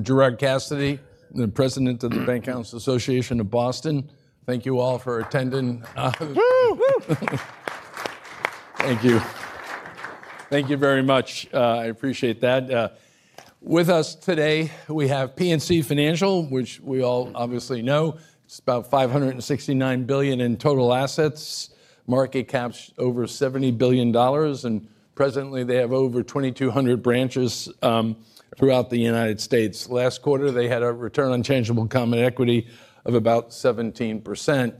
Gerard Cassidy, the President of BancAnalysts Association of Boston. Thank you all for attending. Woo! Thank you. Thank you very much. I appreciate that. With us today, we have PNC Financial, which we all obviously know. It is about $569 billion in total assets, market cap is over $70 billion, and presently they have over 2,200 branches throughout the United States. Last quarter, they had a return on tangible common equity of about 17%.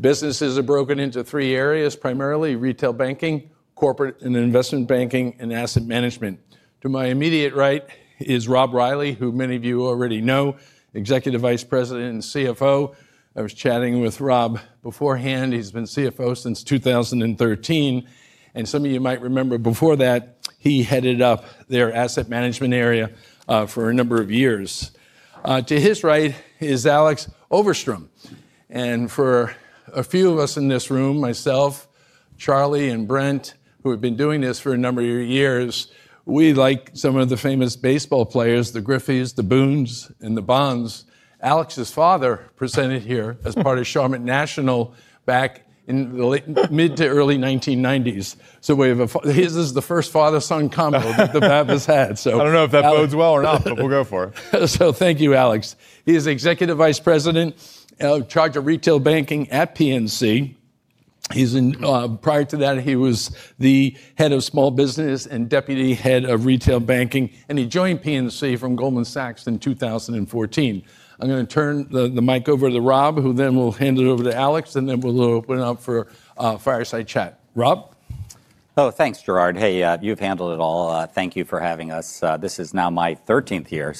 Businesses are broken into three areas, primarily retail banking, corporate and investment banking, and asset management. To my immediate right is Rob Reilly, who many of you already know, Executive Vice President and CFO. I was chatting with Rob beforehand. He has been CFO since 2013. Some of you might remember before that, he headed up their asset management area for a number of years. To his right is Alex Overstrom. For a few of us in this room, myself, Charlie, and Brent, who have been doing this for a number of years, we like some of the famous baseball players, the Griffees, the Boones, and the Bonds. Alex's father presented here as part of Charlotte National back in the mid to early 1990s. We have a--this is the first father-son combo that the BAB has had. I don't know if that bodes well or not, but we'll go for it. Thank you, Alex. He is Executive Vice President, Retail Banking at PNC. Prior to that, he was the Head of Small Business and Deputy Head of Retail Banking, and he joined PNC from Goldman Sachs in 2014. I'm going to turn the mic over to Rob, who then will hand it over to Alex, and then we'll open it up for a fireside chat. Rob? Oh, thanks, Gerard. Hey, you've handled it all. Thank you for having us. This is now my 13th year.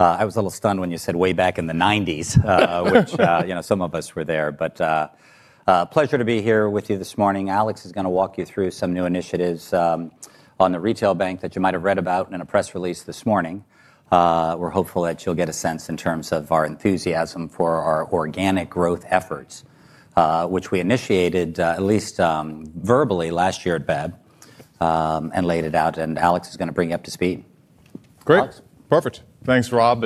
I was a little stunned when you said way back in the 1990s, which, you know, some of us were there. Pleasure to be here with you this morning. Alex is going to walk you through some new initiatives on the retail bank that you might have read about in a press release this morning. We're hopeful that you'll get a sense in terms of our enthusiasm for our organic growth efforts, which we initiated at least verbally last year at BAB and laid it out. Alex is going to bring you up to speed. Great. Perfect. Thanks, Rob.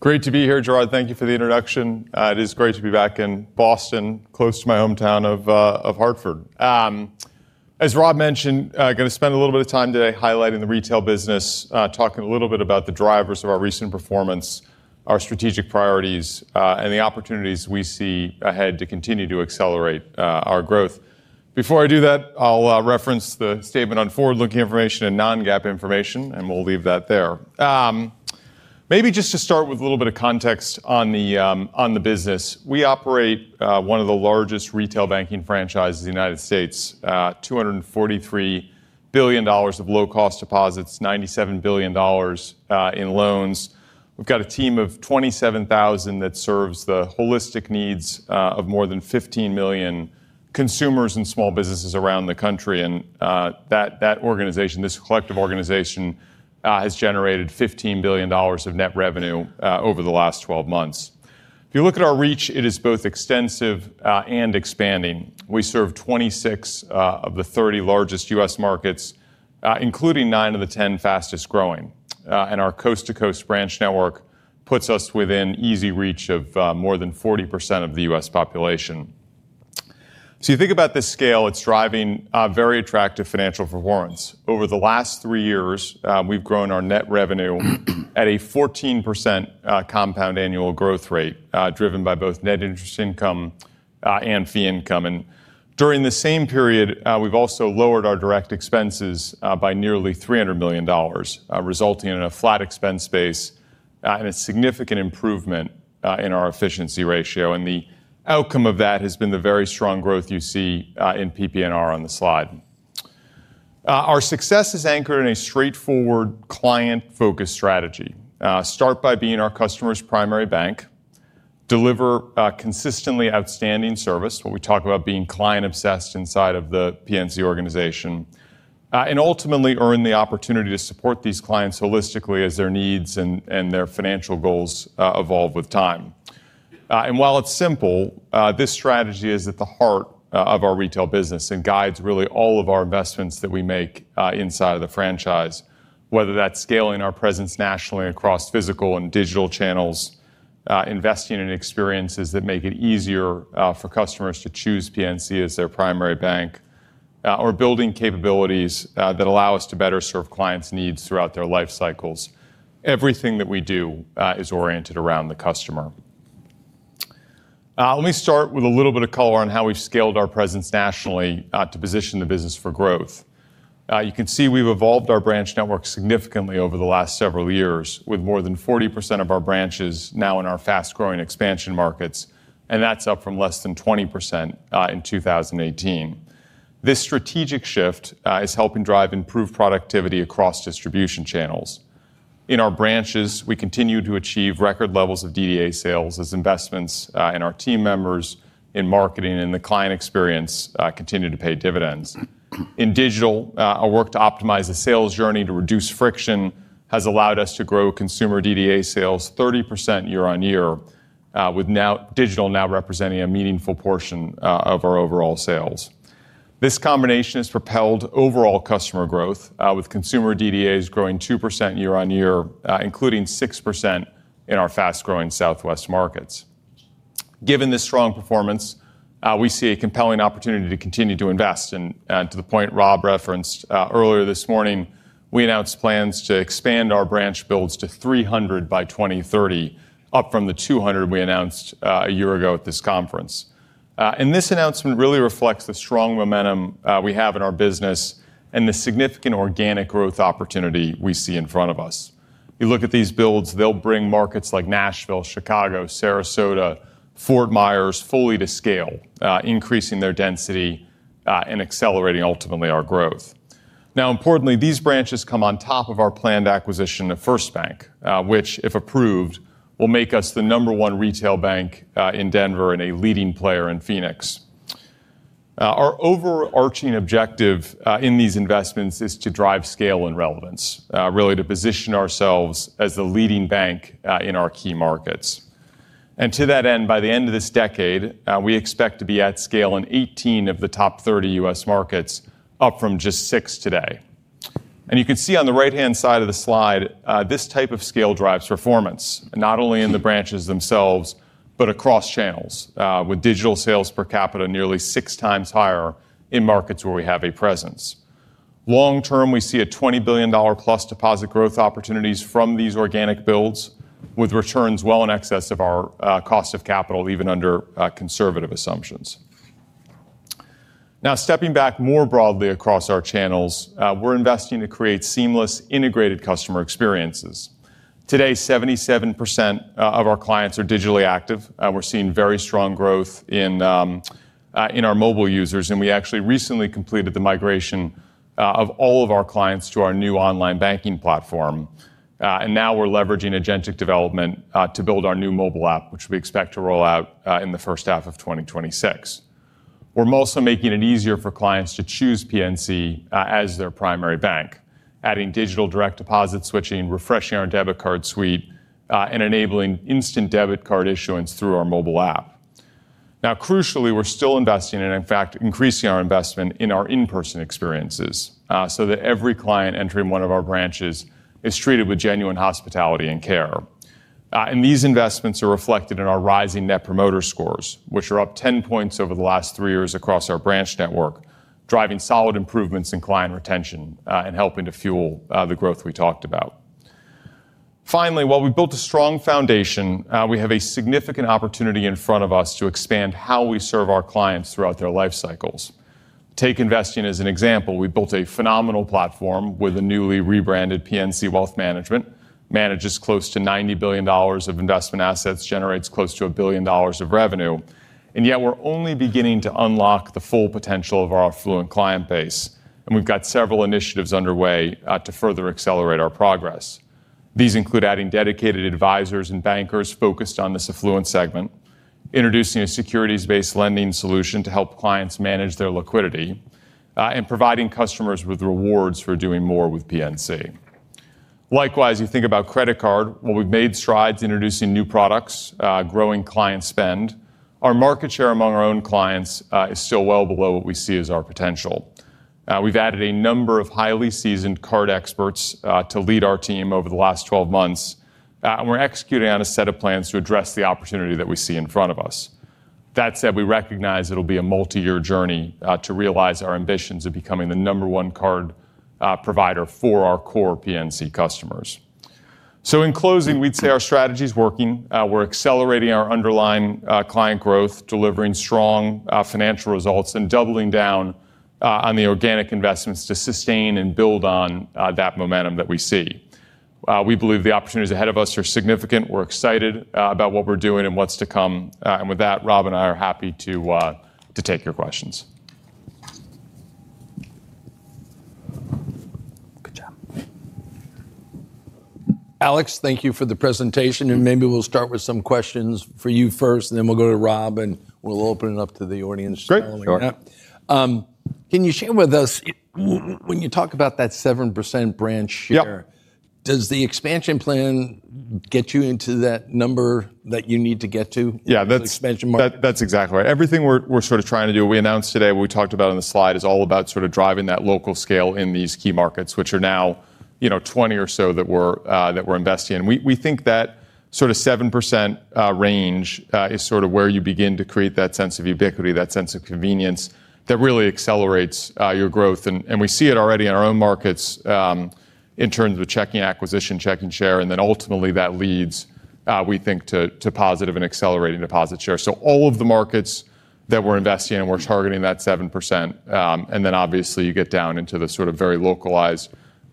Great to be here, Gerard. Thank you for the introduction. It is great to be back in Boston, close to my hometown of Hartford. As Rob mentioned, I'm going to spend a little bit of time today highlighting the retail business, talking a little bit about the drivers of our recent performance, our strategic priorities, and the opportunities we see ahead to continue to accelerate our growth. Before I do that, I'll reference the statement on forward-looking information and non-GAAP information, and we'll leave that there. Maybe just to start with a little bit of context on the business, we operate one of the largest retail banking franchises in the United States, $243 billion of low-cost deposits, $97 billion in loans. We've got a team of 27,000 that serves the holistic needs of more than 15 million consumers and small businesses around the country. That organization, this collective organization, has generated $15 billion of net revenue over the last 12 months. If you look at our reach, it is both extensive and expanding. We serve 26 of the 30 largest U.S. markets, including 9 of the 10 fastest growing. Our coast-to-coast branch network puts us within easy reach of more than 40% of the U.S. population. You think about the scale, it's driving very attractive financial performance. Over the last three years, we've grown our net revenue at a 14% compound annual growth rate, driven by both net interest income and fee income. During the same period, we've also lowered our direct expenses by nearly $300 million, resulting in a flat expense base and a significant improvement in our efficiency ratio. The outcome of that has been the very strong growth you see in PP&R on the slide. Our success is anchored in a straightforward client-focused strategy. Start by being our customer's primary bank, deliver consistently outstanding service, what we talk about being client-obsessed inside of the PNC organization, and ultimately earn the opportunity to support these clients holistically as their needs and their financial goals evolve with time. While it is simple, this strategy is at the heart of our retail business and guides really all of our investments that we make inside of the franchise, whether that is scaling our presence nationally across physical and digital channels, investing in experiences that make it easier for customers to choose PNC as their primary bank, or building capabilities that allow us to better serve clients' needs throughout their life cycles. Everything that we do is oriented around the customer. Let me start with a little bit of color on how we've scaled our presence nationally to position the business for growth. You can see we've evolved our branch network significantly over the last several years, with more than 40% of our branches now in our fast-growing expansion markets, and that's up from less than 20% in 2018. This strategic shift is helping drive improved productivity across distribution channels. In our branches, we continue to achieve record levels of DDA sales as investments in our team members, in marketing, and in the client experience continue to pay dividends. In digital, our work to optimize the sales journey to reduce friction has allowed us to grow consumer DDA sales 30% year on year, with digital now representing a meaningful portion of our overall sales. This combination has propelled overall customer growth, with consumer DDAs growing 2% year on year, including 6% in our fast-growing Southwest markets. Given this strong performance, we see a compelling opportunity to continue to invest. To the point Rob referenced earlier this morning, we announced plans to expand our branch builds to 300 by 2030, up from the 200 we announced a year ago at this conference. This announcement really reflects the strong momentum we have in our business and the significant organic growth opportunity we see in front of us. You look at these builds, they'll bring markets like Nashville, Chicago, Sarasota, Fort Myers fully to scale, increasing their density and accelerating ultimately our growth. Now, importantly, these branches come on top of our planned acquisition of FirstBank, which, if approved, will make us the number one retail bank in Denver and a leading player in Phoenix. Our overarching objective in these investments is to drive scale and relevance, really to position ourselves as the leading bank in our key markets. To that end, by the end of this decade, we expect to be at scale in 18 of the top 30 U.S. markets, up from just six today. You can see on the right-hand side of the slide, this type of scale drives performance, not only in the branches themselves, but across channels, with digital sales per capita nearly six times higher in markets where we have a presence. Long term, we see a $20 billion-plus deposit growth opportunities from these organic builds, with returns well in excess of our cost of capital, even under conservative assumptions. Now, stepping back more broadly across our channels, we're investing to create seamless integrated customer experiences. Today, 77% of our clients are digitally active. We're seeing very strong growth in our mobile users, and we actually recently completed the migration of all of our clients to our new online banking platform. Now we're leveraging agentic development to build our new mobile app, which we expect to roll out in the first half of 2026. We're also making it easier for clients to choose PNC as their primary bank, adding digital direct deposit switching, refreshing our debit card suite, and enabling instant debit card issuance through our mobile app. Now, crucially, we're still investing and, in fact, increasing our investment in our in-person experiences so that every client entering one of our branches is treated with genuine hospitality and care. These investments are reflected in our rising net promoter scores, which are up 10 points over the last three years across our branch network, driving solid improvements in client retention and helping to fuel the growth we talked about. Finally, while we've built a strong foundation, we have a significant opportunity in front of us to expand how we serve our clients throughout their life cycles. Take investing as an example. We built a phenomenal platform with a newly rebranded PNC Wealth Management. It manages close to $90 billion of investment assets, generates close to $1 billion of revenue. Yet, we're only beginning to unlock the full potential of our affluent client base. We have several initiatives underway to further accelerate our progress. These include adding dedicated advisors and bankers focused on this affluent segment, introducing a securities-based lending solution to help clients manage their liquidity, and providing customers with rewards for doing more with PNC. Likewise, you think about credit card. We have made strides introducing new products, growing client spend. Our market share among our own clients is still well below what we see as our potential. We have added a number of highly seasoned card experts to lead our team over the last 12 months. We are executing on a set of plans to address the opportunity that we see in front of us. That said, we recognize it will be a multi-year journey to realize our ambitions of becoming the number one card provider for our core PNC customers. In closing, we would say our strategy is working. We're accelerating our underlying client growth, delivering strong financial results, and doubling down on the organic investments to sustain and build on that momentum that we see. We believe the opportunities ahead of us are significant. We're excited about what we're doing and what's to come. With that, Rob and I are happy to take your questions. Good job. Alex, thank you for the presentation. Maybe we'll start with some questions for you first, and then we'll go to Rob, and we'll open it up to the audience. Great. Sure. Can you share with us, when you talk about that 7% branch share, does the expansion plan get you into that number that you need to get to? Yeah, that's exactly right. Everything we're sort of trying to do, we announced today, what we talked about on the slide is all about sort of driving that local scale in these key markets, which are now 20 or so that we're investing in. We think that sort of 7% range is sort of where you begin to create that sense of ubiquity, that sense of convenience that really accelerates your growth. We see it already in our own markets in terms of checking acquisition, checking share. Ultimately, that leads, we think, to positive and accelerating deposit share. All of the markets that we're investing in, we're targeting that 7%. Obviously, you get down into the sort of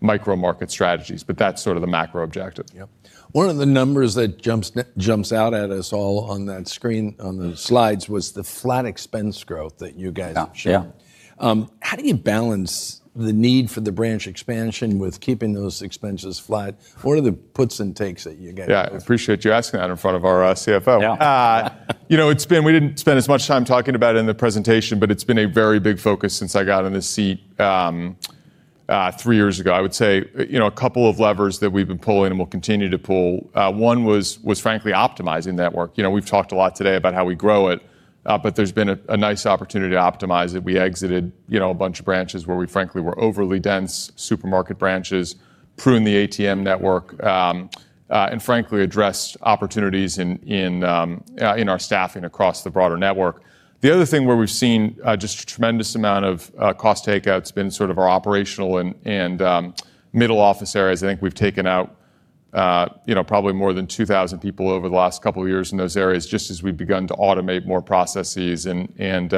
very localized micro-market strategies, but that's sort of the macro objective. Yep. One of the numbers that jumps out at us all on that screen, on the slides, was the flat expense growth that you guys showed. How do you balance the need for the branch expansion with keeping those expenses flat? What are the puts and takes that you guys have? Yeah, I appreciate you asking that in front of our CFO. You know, we did not spend as much time talking about it in the presentation, but it has been a very big focus since I got on this seat three years ago. I would say a couple of levers that we have been pulling and we will continue to pull. One was, frankly, optimizing network. You know, we have talked a lot today about how we grow it, but there has been a nice opportunity to optimize it. We exited a bunch of branches where we, frankly, were overly dense, supermarket branches, pruned the ATM network, and, frankly, addressed opportunities in our staffing across the broader network. The other thing where we have seen just a tremendous amount of cost takeout has been sort of our operational and middle office areas. I think we've taken out probably more than 2,000 people over the last couple of years in those areas just as we've begun to automate more processes and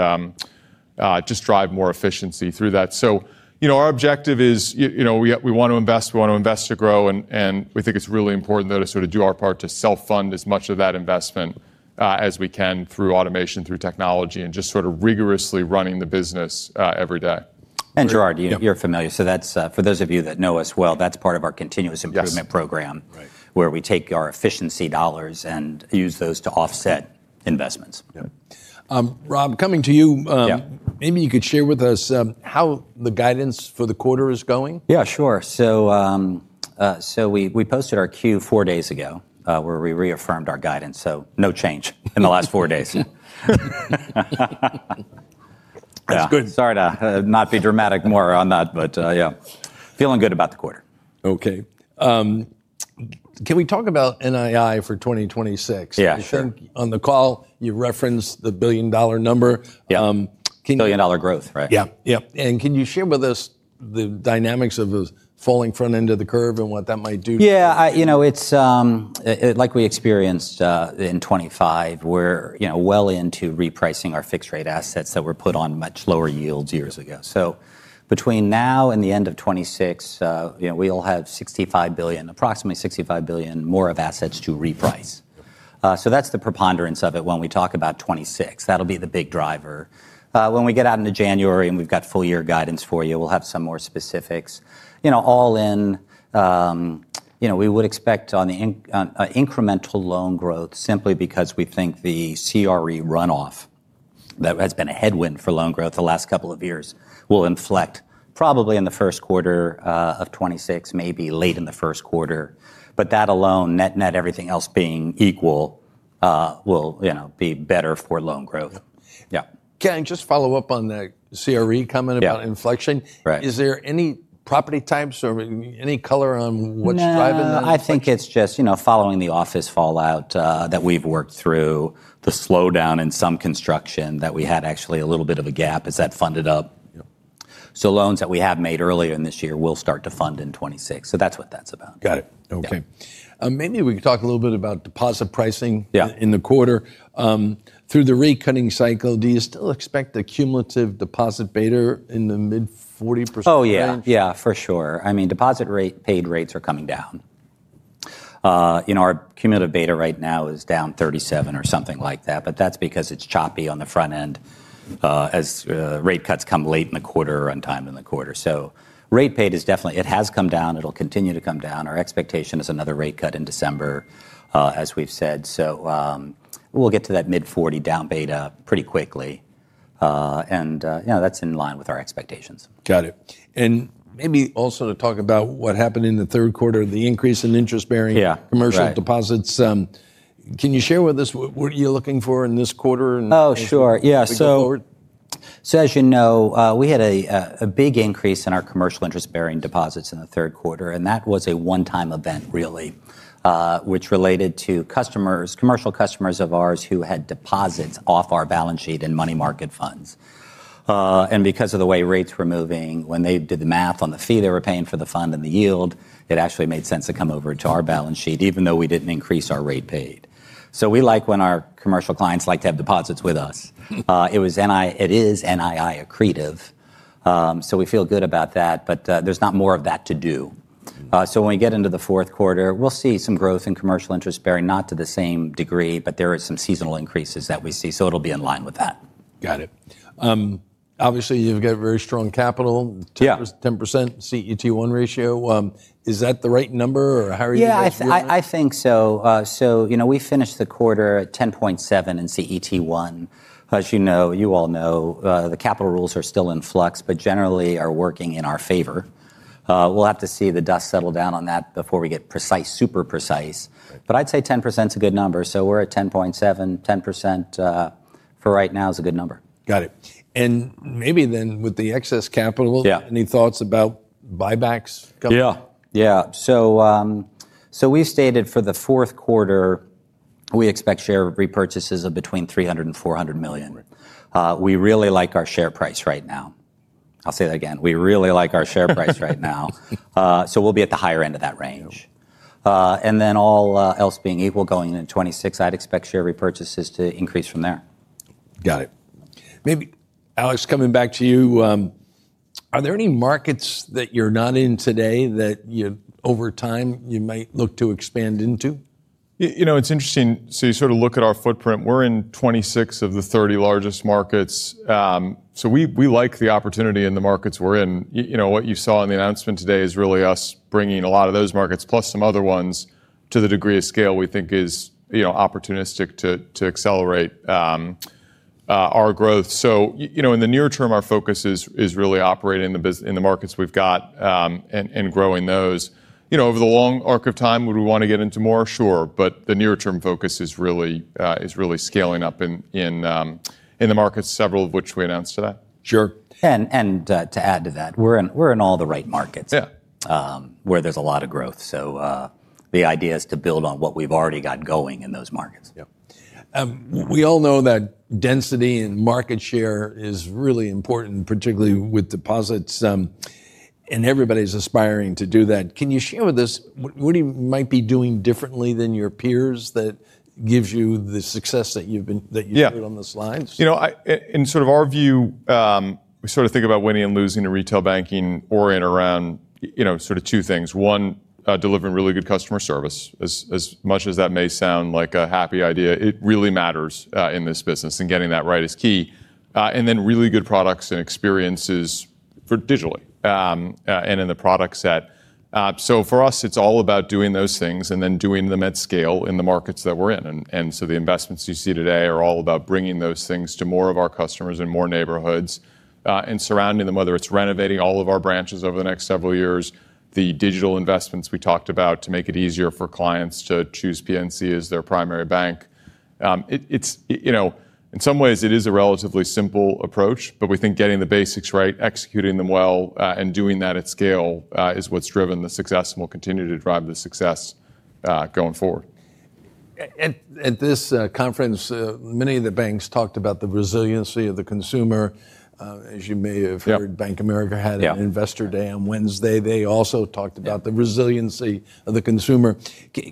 just drive more efficiency through that. Our objective is we want to invest, we want to invest to grow, and we think it's really important though to sort of do our part to self-fund as much of that investment as we can through automation, through technology, and just sort of rigorously running the business every day. Gerard, you're familiar. For those of you that know us well, that's part of our continuous improvement program, where we take our efficiency dollars and use those to offset investments. Yeah. Rob, coming to you, maybe you could share with us how the guidance for the quarter is going? Yeah, sure. We posted our Q4 days ago, where we reaffirmed our guidance. No change in the last four days. That's good. Sorry to not be dramatic more on that, but yeah, feeling good about the quarter. Okay. Can we talk about NII for 2026? Yeah. I think on the call, you referenced the billion dollar number. Yeah. Can. Billion dollar growth, right? Yeah. Yeah. Can you share with us the dynamics of the falling front end of the curve and what that might do? Yeah. You know, it's like we experienced in 2025. We're well into repricing our fixed-rate assets that were put on much lower yields years ago. So between now and the end of 2026, we'll have $65 billion, approximately $65 billion more of assets to reprice. So that's the preponderance of it when we talk about 2026. That'll be the big driver. When we get out into January and we've got full year guidance for you, we'll have some more specifics. All in, we would expect on the incremental loan growth, simply because we think the CRE runoff that has been a headwind for loan growth the last couple of years will inflect probably in the first quarter of 2026, maybe late in the first quarter. But that alone, net-net everything else being equal, will be better for loan growth. Yeah. Can I just follow up on the CRE comment about inflection? Yeah. Right. Is there any property types or any color on what's driving that? I think it's just following the office fallout that we've worked through, the slowdown in some construction that we had, actually a little bit of a gap. Is that funded up? So loans that we have made earlier in this year will start to fund in 2026. That's what that's about. Got it. Okay. Maybe we could talk a little bit about deposit pricing in the quarter. Through the rate-cutting cycle, do you still expect the cumulative deposit beta in the mid-40% range? Oh, yeah. Yeah, for sure. I mean, deposit rate paid rates are coming down. Our cumulative beta right now is down 37 or something like that, but that's because it's choppy on the front end as rate cuts come late in the quarter or on time in the quarter. Rate paid is definitely, it has come down. It'll continue to come down. Our expectation is another rate cut in December, as we've said. We'll get to that mid-40% down beta pretty quickly. That's in line with our expectations. Got it. Maybe also to talk about what happened in the third quarter, the increase in interest-bearing commercial deposits. Can you share with us what you're looking for in this quarter? Oh, sure. Yeah. As you know, we had a big increase in our commercial interest-bearing deposits in the third quarter. That was a one-time event, really, which related to customers, commercial customers of ours who had deposits off our balance sheet in money market funds. Because of the way rates were moving, when they did the math on the fee they were paying for the fund and the yield, it actually made sense to come over to our balance sheet, even though we did not increase our rate paid. We like when our commercial clients like to have deposits with us. It is NII accretive. We feel good about that, but there is not more of that to do. When we get into the fourth quarter, we'll see some growth in commercial interest-bearing, not to the same degree, but there are some seasonal increases that we see. It'll be in line with that. Got it. Obviously, you've got very strong capital, 10% CET1 ratio. Is that the right number or how are you? Yeah, I think so. We finished the quarter at 10.7% in CET1. As you know, you all know, the capital rules are still in flux, but generally are working in our favor. We'll have to see the dust settle down on that before we get precise, super precise. I'd say 10% is a good number. We're at 10.7%. 10% for right now is a good number. Got it. Maybe then with the excess capital, any thoughts about buybacks? Yeah. Yeah. We stated for the fourth quarter, we expect share repurchases of between $300 million and $400 million. We really like our share price right now. I'll say that again. We really like our share price right now. We'll be at the higher end of that range. All else being equal, going into 2026, I'd expect share repurchases to increase from there. Got it. Maybe, Alex, coming back to you, are there any markets that you're not in today that over time you might look to expand into? You know, it's interesting. You sort of look at our footprint. We're in 26 of the 30 largest markets. We like the opportunity in the markets we're in. What you saw in the announcement today is really us bringing a lot of those markets, plus some other ones, to the degree of scale we think is opportunistic to accelerate our growth. In the near term, our focus is really operating in the markets we've got and growing those. Over the long arc of time, would we want to get into more? Sure. The near-term focus is really scaling up in the markets, several of which we announced today. Sure. We're in all the right markets where there's a lot of growth. The idea is to build on what we've already got going in those markets. Yeah. We all know that density and market share is really important, particularly with deposits. Everybody's aspiring to do that. Can you share with us what you might be doing differently than your peers that gives you the success that you've heard on the slides? You know, in sort of our view, we sort of think about winning and losing in retail banking or in around sort of two things. One, delivering really good customer service. As much as that may sound like a happy idea, it really matters in this business. And getting that right is key. And then really good products and experiences for digitally and in the product set. For us, it's all about doing those things and then doing them at scale in the markets that we're in. The investments you see today are all about bringing those things to more of our customers in more neighborhoods and surrounding them, whether it's renovating all of our branches over the next several years, the digital investments we talked about to make it easier for clients to choose PNC as their primary bank. In some ways, it is a relatively simple approach, but we think getting the basics right, executing them well, and doing that at scale is what's driven the success and will continue to drive the success going forward. At this conference, many of the banks talked about the resiliency of the consumer. As you may have heard, Bank of America had an investor day on Wednesday. They also talked about the resiliency of the consumer.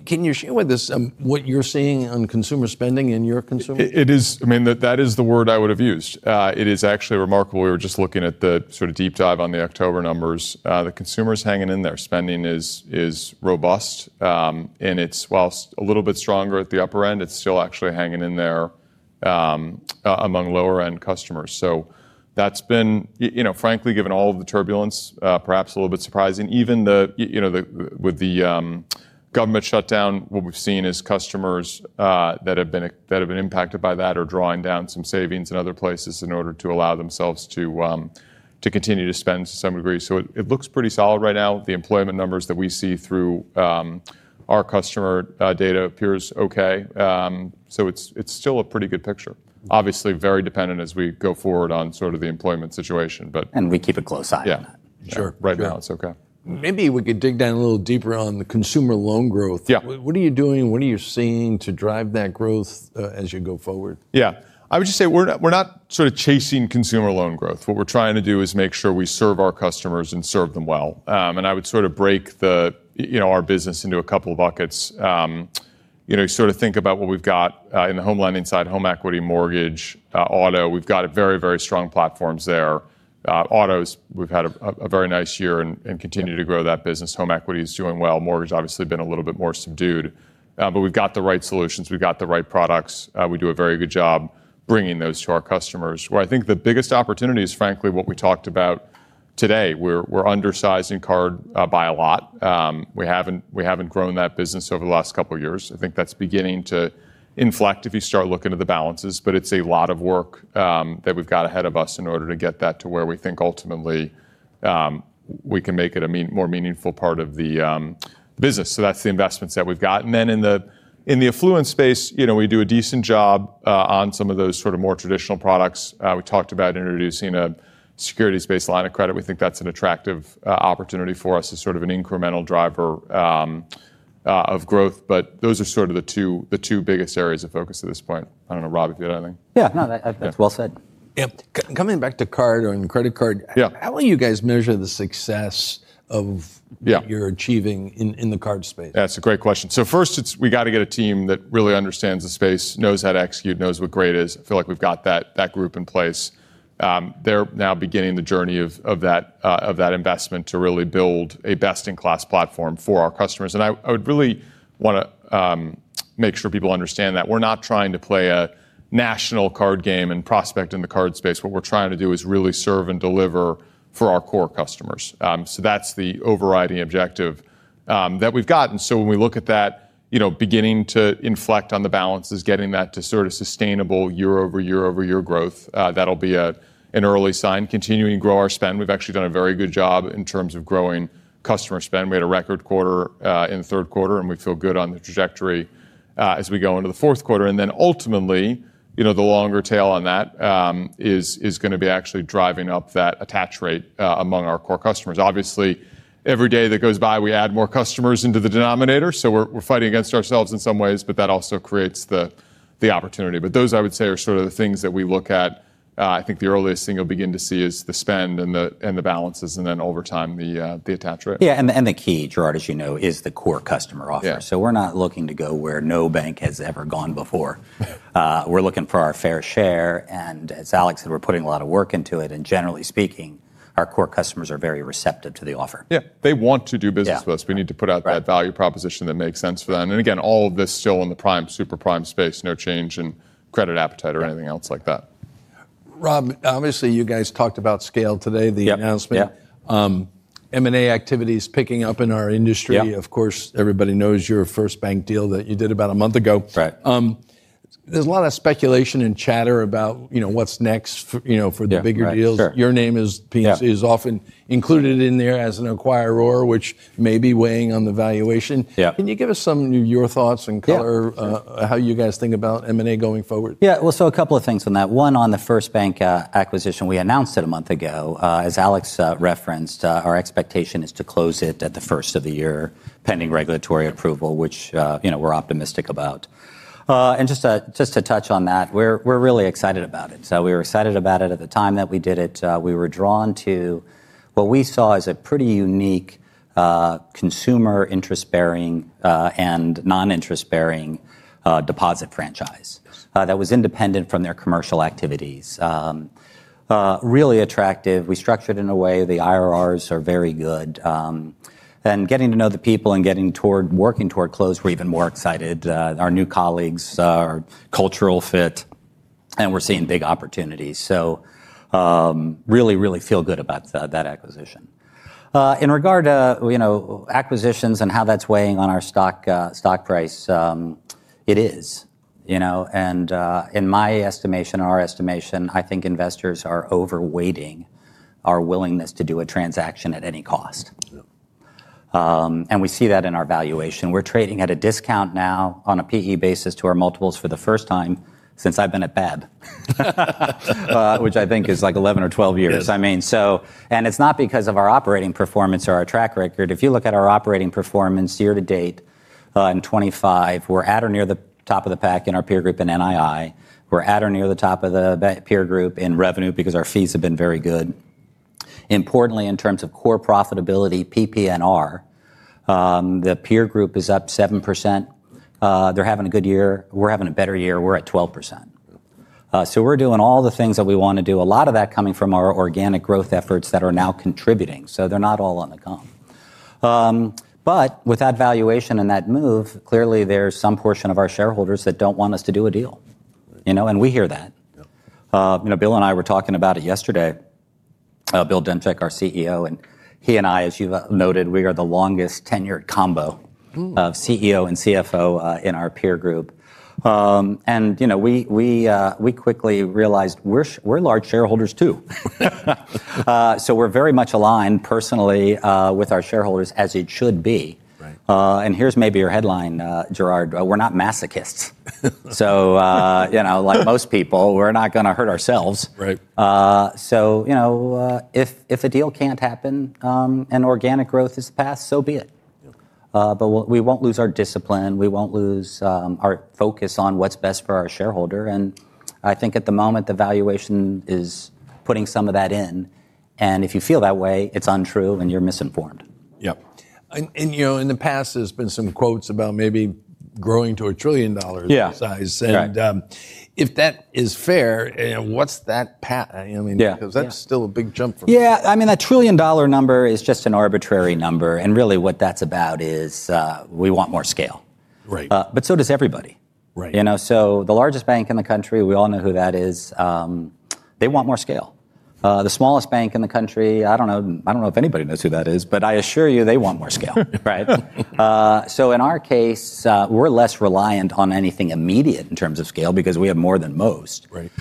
Can you share with us what you're seeing on consumer spending in your consumer? It is, I mean, that is the word I would have used. It is actually remarkable. We were just looking at the sort of deep dive on the October numbers. The consumer's hanging in there. Spending is robust. While it's a little bit stronger at the upper end, it's still actually hanging in there among lower-end customers. That has been, frankly, given all of the turbulence, perhaps a little bit surprising. Even with the government shutdown, what we've seen is customers that have been impacted by that are drawing down some savings in other places in order to allow themselves to continue to spend to some degree. It looks pretty solid right now. The employment numbers that we see through our customer data appear okay. It is still a pretty good picture. Obviously, very dependent as we go forward on the employment situation. We keep a close eye on that. Yeah. Sure. Right now it's okay. Maybe we could dig down a little deeper on the consumer loan growth. What are you doing? What are you seeing to drive that growth as you go forward? Yeah. I would just say we're not sort of chasing consumer loan growth. What we're trying to do is make sure we serve our customers and serve them well. I would sort of break our business into a couple of buckets. You sort of think about what we've got in the home lending side, home equity, mortgage, auto. We've got very, very strong platforms there. Autos, we've had a very nice year and continue to grow that business. Home equity is doing well. Mortgage has obviously been a little bit more subdued. We've got the right solutions. We've got the right products. We do a very good job bringing those to our customers. Where I think the biggest opportunity is, frankly, what we talked about today. We're undersizing card by a lot. We haven't grown that business over the last couple of years. I think that's beginning to inflect if you start looking at the balances. It is a lot of work that we've got ahead of us in order to get that to where we think ultimately we can make it a more meaningful part of the business. That is the investments that we've got. In the affluence space, we do a decent job on some of those sort of more traditional products. We talked about introducing a securities-based line of credit. We think that's an attractive opportunity for us as sort of an incremental driver of growth. Those are the two biggest areas of focus at this point. I don't know, Rob, if you had anything. Yeah. No, that's well said. Yeah. Coming back to card and credit card, how will you guys measure the success of what you're achieving in the card space? Yeah, that's a great question. First, we got to get a team that really understands the space, knows how to execute, knows what great is. I feel like we've got that group in place. They're now beginning the journey of that investment to really build a best-in-class platform for our customers. I would really want to make sure people understand that we're not trying to play a national card game and prospect in the card space. What we're trying to do is really serve and deliver for our core customers. That's the overriding objective that we've gotten. When we look at that, beginning to inflect on the balances, getting that to sort of sustainable year-over-year-over-year growth, that'll be an early sign. Continuing to grow our spend. We've actually done a very good job in terms of growing customer spend. We had a record quarter in the third quarter, and we feel good on the trajectory as we go into the fourth quarter. Ultimately, the longer tail on that is going to be actually driving up that attach rate among our core customers. Obviously, every day that goes by, we add more customers into the denominator. We are fighting against ourselves in some ways, but that also creates the opportunity. Those, I would say, are sort of the things that we look at. I think the earliest thing you will begin to see is the spend and the balances, and then over time, the attach rate. Yeah. The key, Gerard, as you know, is the core customer offer. We're not looking to go where no bank has ever gone before. We're looking for our fair share. As Alex said, we're putting a lot of work into it. Generally speaking, our core customers are very receptive to the offer. Yeah. They want to do business with us. We need to put out that value proposition that makes sense for them. Again, all of this still in the prime, super prime space, no change in credit appetite or anything else like that. Rob, obviously, you guys talked about scale today, the announcement. M&A activity is picking up in our industry. Of course, everybody knows your FirstBank deal that you did about a month ago. There's a lot of speculation and chatter about what's next for the bigger deals. Your name is often included in there as an acquirer, which may be weighing on the valuation. Can you give us some of your thoughts and color, how you guys think about M&A going forward? Yeah. A couple of things on that. One, on the FirstBank acquisition, we announced it a month ago, as Alex referenced. Our expectation is to close it at the first of the year pending regulatory approval, which we are optimistic about. Just to touch on that, we are really excited about it. We were excited about it at the time that we did it. We were drawn to what we saw as a pretty unique consumer interest-bearing and non-interest-bearing deposit franchise that was independent from their commercial activities. Really attractive. We structured it in a way. The IRRs are very good. Getting to know the people and working toward close, we are even more excited. Our new colleagues are culturally fit, and we are seeing big opportunities. Really, really feel good about that acquisition. In regard to acquisitions and how that is weighing on our stock price, it is. In my estimation, our estimation, I think investors are overweighting our willingness to do a transaction at any cost. We see that in our valuation. We are trading at a discount now on a PE basis to our multiples for the first time since I have been at PNC, which I think is like 11 or 12 years. I mean, and it is not because of our operating performance or our track record. If you look at our operating performance year to date in 2025, we are at or near the top of the pack in our peer group in NII. We are at or near the top of the peer group in revenue because our fees have been very good. Importantly, in terms of core profitability, PPNR, the peer group is up 7%. They are having a good year. We are having a better year. We are at 12%. We're doing all the things that we want to do, a lot of that coming from our organic growth efforts that are now contributing. They're not all on the comb. With that valuation and that move, clearly, there's some portion of our shareholders that do not want us to do a deal. We hear that. Bill and I were talking about it yesterday. Bill Demchak, our CEO, and he and I, as you've noted, we are the longest-tenured combo of CEO and CFO in our peer group. We quickly realized we're large shareholders too. We're very much aligned personally with our shareholders as it should be. Here's maybe your headline, Gerard. We're not masochists. Like most people, we're not going to hurt ourselves. If a deal cannot happen and organic growth is the path, so be it. We won't lose our discipline. We won't lose our focus on what's best for our shareholder. I think at the moment, the valuation is putting some of that in. If you feel that way, it's untrue and you're misinformed. Yeah. In the past, there have been some quotes about maybe growing to a trillion dollar size. If that is fair, what is that path? I mean, because that is still a big jump for me. Yeah. I mean, that trillion dollar number is just an arbitrary number. And really what that's about is we want more scale. But so does everybody. The largest bank in the country, we all know who that is. They want more scale. The smallest bank in the country, I do not know if anybody knows who that is, but I assure you they want more scale. In our case, we're less reliant on anything immediate in terms of scale because we have more than most. It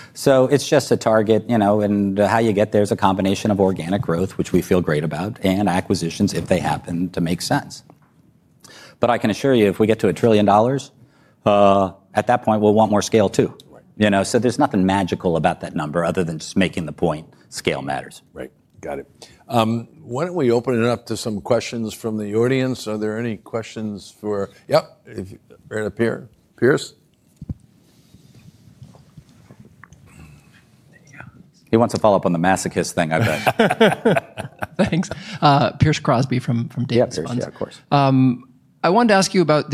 is just a target. How you get there is a combination of organic growth, which we feel great about, and acquisitions if they happen to make sense. I can assure you if we get to a trillion dollars, at that point, we'll want more scale too. There is nothing magical about that number other than just making the point scale matters. Right. Got it. Why don't we open it up to some questions from the audience? Are there any questions for, yep, right up here, Pierce? He wants to follow up on the masochist thing I've got. Thanks. Pierce Crosby from Davidson. Yeah, of course. I wanted to ask you about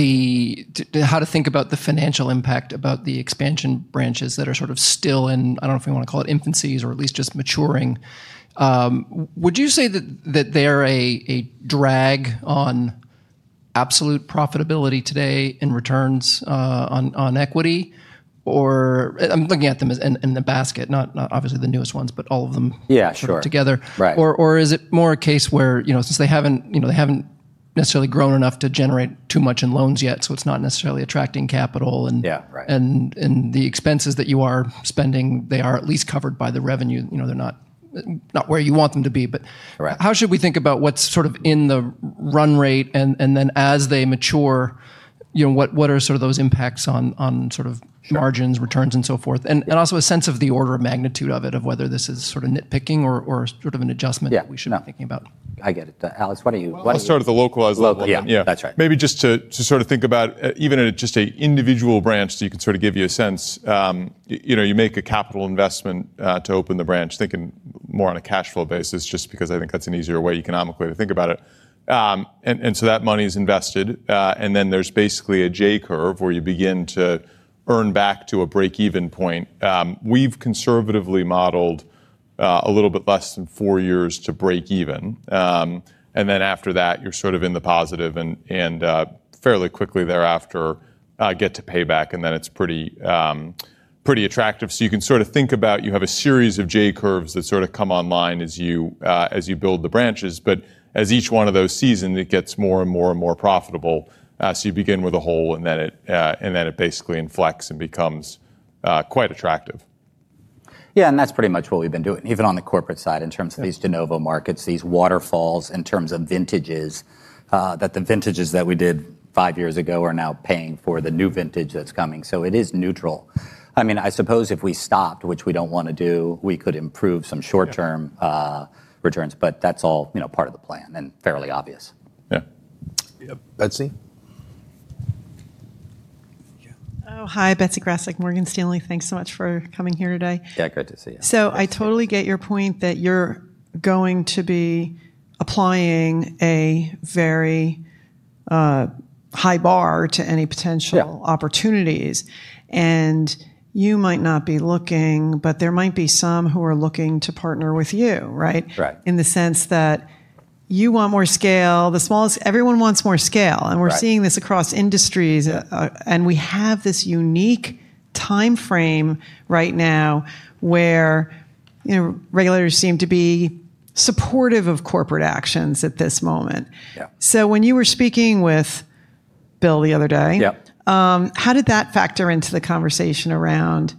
how to think about the financial impact about the expansion branches that are sort of still in, I do not know if we want to call it infancies or at least just maturing. Would you say that they are a drag on absolute profitability today in returns on equity? Or I am looking at them as in the basket, not obviously the newest ones, but all of them together. Or is it more a case where since they have not necessarily grown enough to generate too much in loans yet, so it is not necessarily attracting capital? And the expenses that you are spending, they are at least covered by the revenue. They are not where you want them to be. But how should we think about what is sort of in the run rate? As they mature, what are sort of those impacts on sort of margins, returns, and so forth? Also a sense of the order of magnitude of it, of whether this is sort of nitpicking or sort of an adjustment that we should be thinking about. I get it. Alex, what are you? I'll start at the localized level. Yeah. That's right. Maybe just to sort of think about even just an individual branch so you can sort of give you a sense. You make a capital investment to open the branch thinking more on a cash flow basis just because I think that's an easier way economically to think about it. That money is invested. There is basically a J curve where you begin to earn back to a break-even point. We've conservatively modeled a little bit less than four years to break even. After that, you're sort of in the positive and fairly quickly thereafter get to payback. It is pretty attractive. You can sort of think about you have a series of J curves that sort of come online as you build the branches. As each one of those seasons, it gets more and more and more profitable. You begin with a hole, and then it basically inflects and becomes quite attractive. Yeah. That is pretty much what we have been doing, even on the corporate side in terms of these de novo markets, these waterfalls in terms of vintages, that the vintages that we did five years ago are now paying for the new vintage that is coming. It is neutral. I mean, I suppose if we stopped, which we do not want to do, we could improve some short-term returns. That is all part of the plan and fairly obvious. Yeah. Betsy? Oh, hi, Betsy Graseck, Morgan Stanley. Thanks so much for coming here today. Yeah, great to see you. I totally get your point that you're going to be applying a very high bar to any potential opportunities. You might not be looking, but there might be some who are looking to partner with you, right, in the sense that you want more scale. Everyone wants more scale. We're seeing this across industries. We have this unique time frame right now where regulators seem to be supportive of corporate actions at this moment. When you were speaking with Bill the other day, how did that factor into the conversation around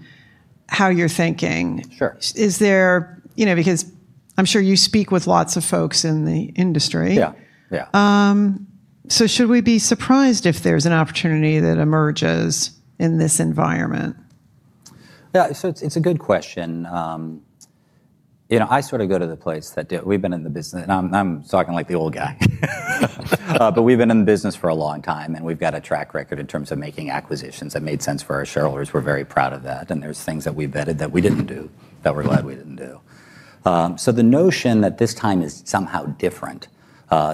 how you're thinking? Is there, because I'm sure you speak with lots of folks in the industry. Should we be surprised if there's an opportunity that emerges in this environment? Yeah. So it's a good question. I sort of go to the place that we've been in the business, and I'm talking like the old guy. But we've been in the business for a long time, and we've got a track record in terms of making acquisitions that made sense for our shareholders. We're very proud of that. And there's things that we vetted that we didn't do that we're glad we didn't do. The notion that this time is somehow different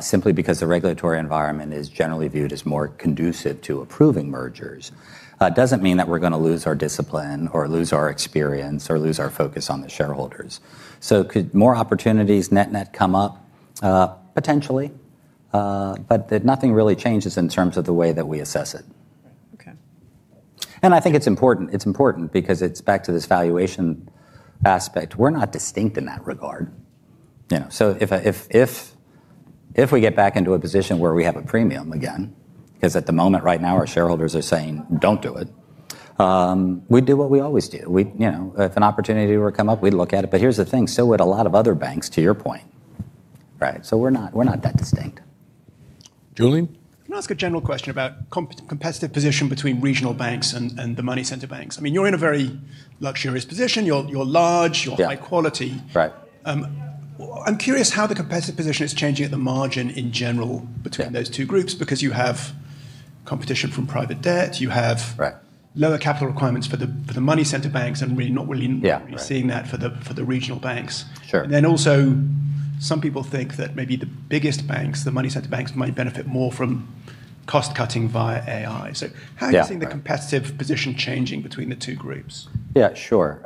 simply because the regulatory environment is generally viewed as more conducive to approving mergers doesn't mean that we're going to lose our discipline or lose our experience or lose our focus on the shareholders. Could more opportunities net-net come up potentially? Nothing really changes in terms of the way that we assess it. I think it's important. It's important because it's back to this valuation aspect. We're not distinct in that regard. If we get back into a position where we have a premium again, because at the moment right now, our shareholders are saying, "Don't do it," we'd do what we always do. If an opportunity were to come up, we'd look at it. Here's the thing. So would a lot of other banks, to your point. We're not that distinct. Julian? Can I ask a general question about competitive position between regional banks and the money center banks? I mean, you're in a very luxurious position. You're large. You're high quality. I'm curious how the competitive position is changing at the margin in general between those two groups because you have competition from private debt. You have lower capital requirements for the money center banks and really not really seeing that for the regional banks. Also, some people think that maybe the biggest banks, the money center banks, might benefit more from cost cutting via AI. How are you seeing the competitive position changing between the two groups? Yeah, sure.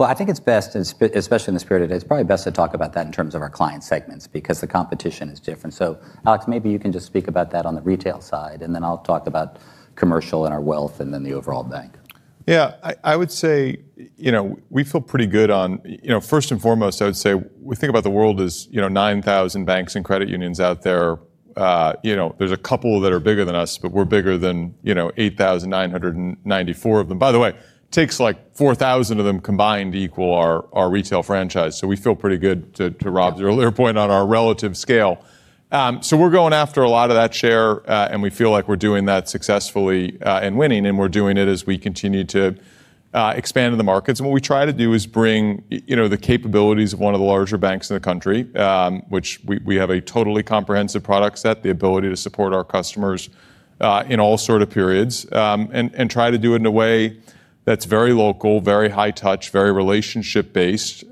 I think it's best, especially in this period of day, it's probably best to talk about that in terms of our client segments because the competition is different. So Alex, maybe you can just speak about that on the retail side, and then I'll talk about commercial and our wealth and then the overall bank. Yeah. I would say we feel pretty good on, first and foremost, I would say we think about the world as 9,000 banks and credit unions out there. There's a couple that are bigger than us, but we're bigger than 8,994 of them. By the way, it takes like 4,000 of them combined to equal our retail franchise. We feel pretty good to Rob's earlier point on our relative scale. We're going after a lot of that share, and we feel like we're doing that successfully and winning. We're doing it as we continue to expand in the markets. What we try to do is bring the capabilities of one of the larger banks in the country, which we have a totally comprehensive product set, the ability to support our customers in all sort of periods, and try to do it in a way that's very local, very high touch, very relationship based.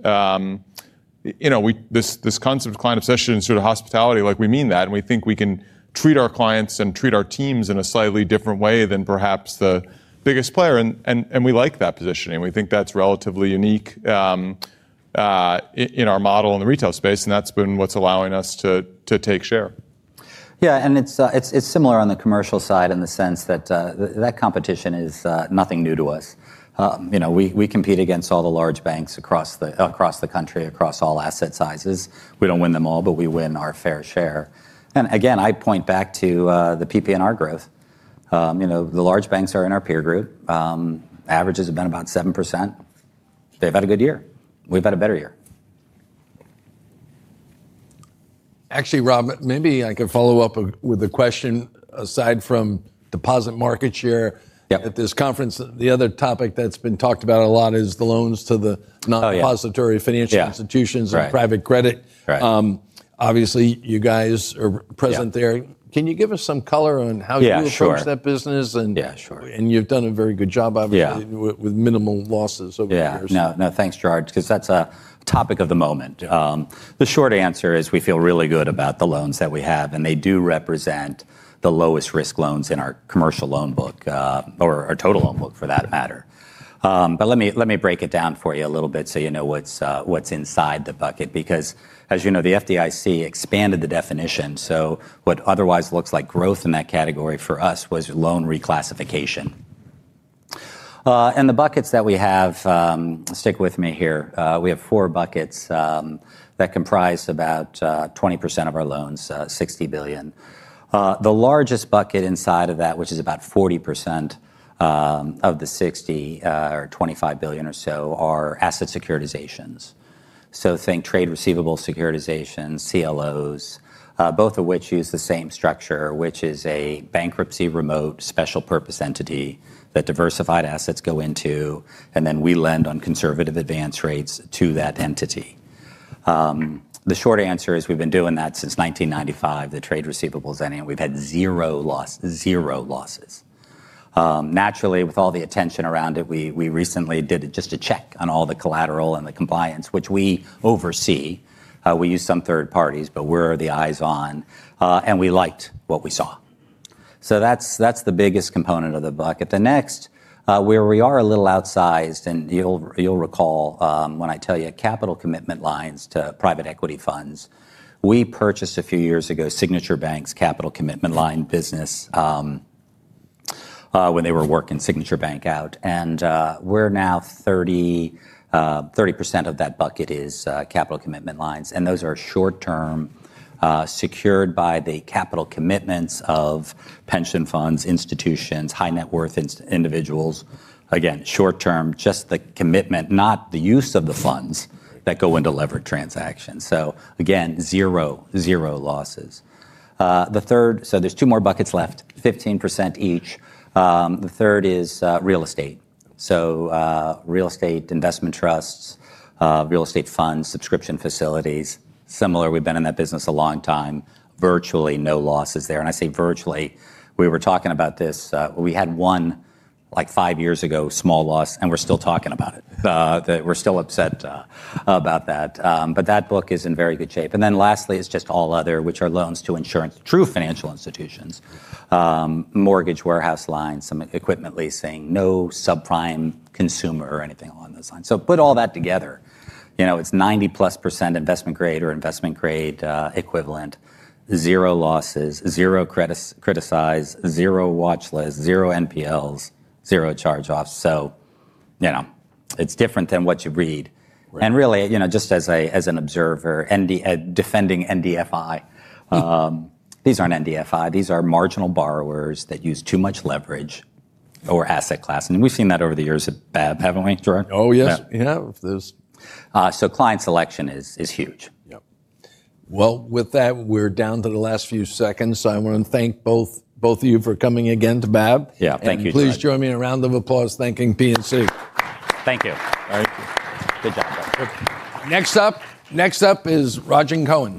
This concept of client obsession and sort of hospitality, like we mean that. We think we can treat our clients and treat our teams in a slightly different way than perhaps the biggest player. We like that positioning. We think that's relatively unique in our model in the retail space. That's been what's allowing us to take share. Yeah. It is similar on the commercial side in the sense that that competition is nothing new to us. We compete against all the large banks across the country, across all asset sizes. We do not win them all, but we win our fair share. I point back to the PPNR growth. The large banks are in our peer group. Averages have been about 7%. They have had a good year. We have had a better year. Actually, Rob, maybe I can follow up with a question aside from deposit market share at this conference. The other topic that's been talked about a lot is the loans to the non-depository financial institutions and private credit. Obviously, you guys are present there. Can you give us some color on how you approach that business? You have done a very good job, obviously, with minimal losses over the years. Yeah. No, thanks, George, because that's a topic of the moment. The short answer is we feel really good about the loans that we have. They do represent the lowest risk loans in our commercial loan book or our total loan book for that matter. Let me break it down for you a little bit so you know what's inside the bucket. As you know, the FDIC expanded the definition. What otherwise looks like growth in that category for us was loan reclassification. The buckets that we have, stick with me here. We have four buckets that comprise about 20% of our loans, $60 billion. The largest bucket inside of that, which is about 40% of the $60 billion or $25 billion or so, are asset securitizations. Think trade receivables securitization, CLOs, both of which use the same structure, which is a bankruptcy remote special purpose entity that diversified assets go into. Then we lend on conservative advance rates to that entity. The short answer is we've been doing that since 1995, the trade receivables ending. We've had zero losses. Naturally, with all the attention around it, we recently did just a check on all the collateral and the compliance, which we oversee. We use some third parties, but we're the eyes on. We liked what we saw. That's the biggest component of the bucket. The next, where we are a little outsized, and you'll recall when I tell you capital commitment lines to private equity funds. We purchased a few years ago Signature Bank's capital commitment line business when they were working Signature Bank out. We're now 30% of that bucket is capital commitment lines. Those are short-term, secured by the capital commitments of pension funds, institutions, high net worth individuals. Again, short-term, just the commitment, not the use of the funds that go into leverage transactions. Again, zero, zero losses. The third, so there are two more buckets left, 15% each. The third is real estate. Real estate investment trusts, real estate funds, subscription facilities. Similar, we've been in that business a long time. Virtually no losses there. I say virtually, we were talking about this. We had one like five years ago, small loss, and we're still talking about it. We're still upset about that. That book is in very good shape. Lastly, it is just all other, which are loans to insurance, true financial institutions, mortgage warehouse lines, some equipment leasing, no subprime consumer or anything along those lines. Put all that together. It is 90+% investment grade or investment grade equivalent, zero losses, zero criticized, zero watch list, zero NPLs, zero charge-offs. It is different than what you read. Really, just as an observer, defending NDFI, these are not NDFI. These are marginal borrowers that use too much leverage or asset class. We have seen that over the years at BAB, have we not, George? Oh, yes. Yeah. Client selection is huge. Yep. With that, we're down to the last few seconds. I want to thank both of you for coming again to BAB. Yeah, thank you for that. Please join me in a round of applause thanking PNC. Thank you. All right. Good job, guys. Next up is Rajan Kone.